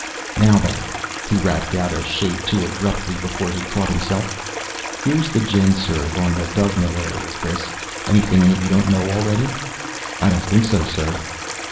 "Now, then," he rapped out a shade too abruptly before he caught himself. "Here's the GenSurv on the Dovenil area, Chris. Anything in it you don't know already?" "I don't think so, sir."